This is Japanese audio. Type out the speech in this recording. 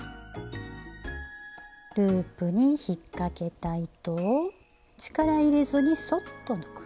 ループにひっかけた糸を力入れずにそっと抜く。